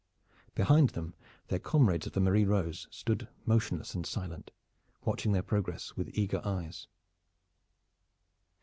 Behind them their comrades of the Marie Rose stood motionless and silent, watching their progress with eager eyes.